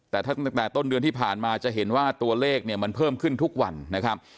แต่ถ้าตั้งแต่ต้นเดือนที่ผ่านมาจะเห็นว่าตัวเลขเนี่ยมันเพิ่มขึ้นทุกวันนะครับ